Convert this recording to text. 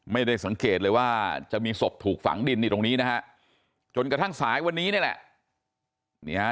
ไม่ได้สังเกตเลยว่าจะมีศพถูกฝังดินนี่ตรงนี้นะฮะจนกระทั่งสายวันนี้นี่แหละ